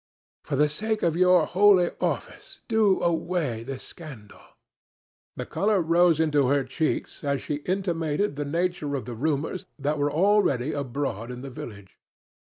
For the sake of your holy office do away this scandal." The color rose into her cheeks as she intimated the nature of the rumors that were already abroad in the village.